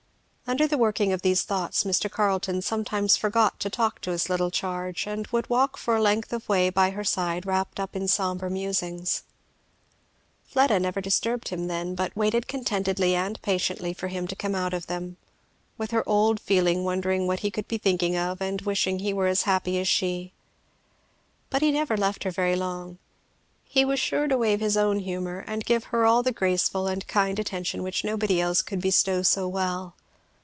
Under the working of these thoughts Mr. Carleton sometimes forgot to talk to his little charge, and would walk for a length of way by her side wrapped up in sombre musings. Fleda never disturbed him then, but waited contentedly and patiently for him to come out of them, with her old feeling wondering what he could be thinking of and wishing he were as happy as she. But he never left her very long; he was sure to waive his own humour and give her all the graceful kind attention which nobody else could bestow so well.